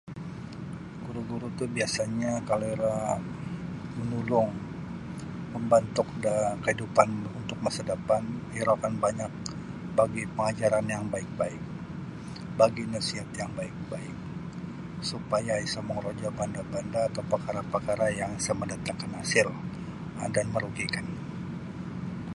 Guru-guru tu biasanya kalau iro manulung mambantuk da kehidupan untuk masa dapan iro akan banyak bagi pangajaran yang baik-baik bagi nasiat yang baik-baik supaya isa mongorojo banda-banda atau pakara-pakara yang isa mandatangkan hasil um dan merugikan.